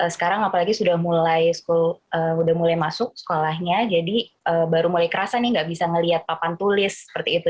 sekarang apalagi sudah mulai masuk sekolahnya jadi baru mulai kerasa nih nggak bisa melihat papan tulis seperti itu